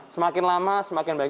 semakin lama semakin baik